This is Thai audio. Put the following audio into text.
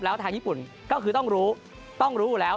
แล้วทางญี่ปุ่นก็คือต้องรู้ต้องรู้อยู่แล้ว